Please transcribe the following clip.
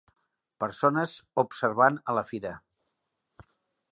Persones observant a la fira.